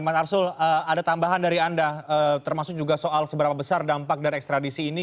mas arsul ada tambahan dari anda termasuk juga soal seberapa besar dampak dari ekstradisi ini